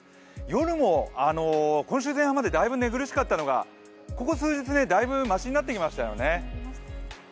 夜も今週前半までだいぶ寝苦しかったのがここ数日、だいぶましになってきましたよね。